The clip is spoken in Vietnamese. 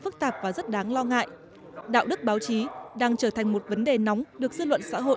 phức tạp và rất đáng lo ngại đạo đức báo chí đang trở thành một vấn đề nóng được dư luận xã hội